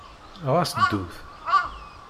Ɣas ddut.